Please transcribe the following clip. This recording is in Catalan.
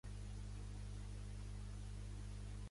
La Lídia de l'estació és trifulcaire de mena